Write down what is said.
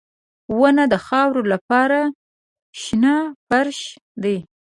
• ونه د خاورو لپاره شنه فرش دی.